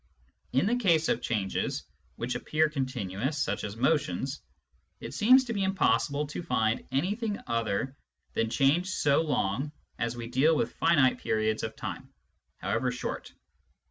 In the case of changes which appear continuous, such as motions, it seems to be impos sible to find anything other than change so long as we deal with finite periods of time, however short.